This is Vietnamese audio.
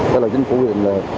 đó là chính phủ quy định là